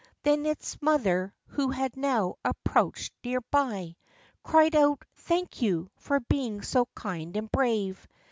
Then its mother, who had now approached near by, Cried out, " Thank you, for being so kind and brave.